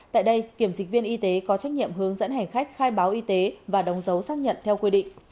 tại đây kiểm dịch viên y tế có trách nhiệm hướng dẫn hành khách khai báo y tế và đóng dấu xác nhận theo quy định